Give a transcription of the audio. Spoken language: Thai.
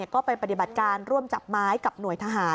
ก็ไปปฏิบัติการร่วมจับไม้กับหน่วยทหาร